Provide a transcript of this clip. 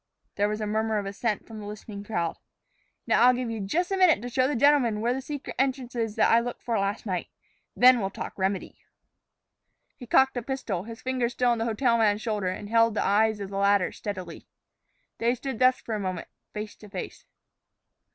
There was a murmur of assent from the listening crowd. "Now I'll give you jus' a minute to show the gentlemen where that secret entrance is that I looked for last night. Then we'll talk remedy." He cocked a pistol, his fingers still on the hotel man's shoulder, and held the eyes of the latter steadily. They stood thus for a moment, face to face.